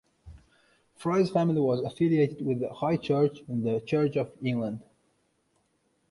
Fry's family was affiliated with the "High Church" in the Church of England.